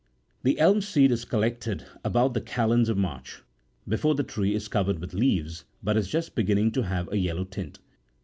The elm seed is collected about the calends of March,57 before the tree is covered with leaves, but is just begkmirig to have a yellow tint.